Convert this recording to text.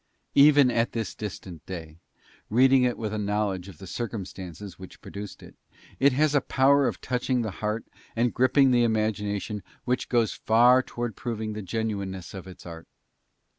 Even at this distant day, reading it with a knowledge of the circumstances which produced it, it has a power of touching the heart and gripping the imagination which goes far toward proving the genuineness of its art.